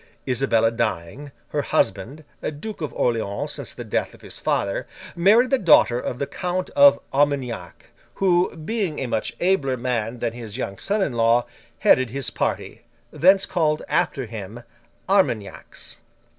Isabella dying, her husband (Duke of Orleans since the death of his father) married the daughter of the Count of Armagnac, who, being a much abler man than his young son in law, headed his party; thence called after him Armagnacs.